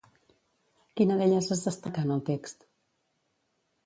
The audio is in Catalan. Quina d'elles es destaca en el text?